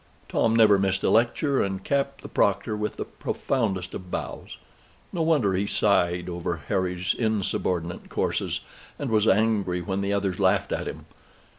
Tom never missed a lecture, and capped the proctor with the profoundest of bows. No wonder he sighed over Harry's insubordinate courses, and was angry when the others laughed at him.